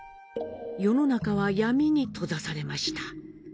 世の中は闇に閉ざされました。